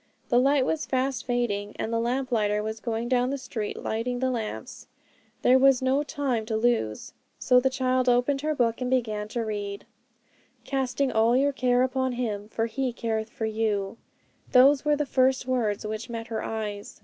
The light was fast fading, and the lamplighter was going down the street lighting the lamps; there was no time to lose. So the child opened her book and began to read: 'Casting all your care upon Him, for He careth for you' those were the first words which met her eyes.